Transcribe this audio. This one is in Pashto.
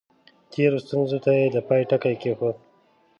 تېرو ستونزو ته یې د پای ټکی کېښود.